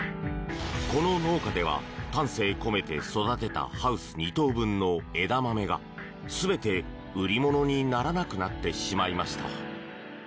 この農家では、丹精込めて育てたハウス２棟分の枝豆が全て売り物にならなくなってしまいました。